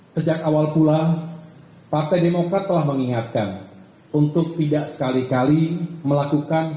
sejak awal pula partai demokrat telah mengingatkan untuk tidak sekali kali melakukan